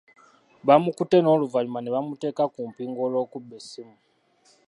Baamukutte n'oluvannyuma ne bamuteeka ku mpingu olw'okubba essimu.